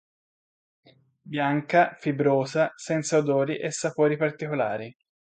Bianca, fibrosa, senza odori e sapori particolari.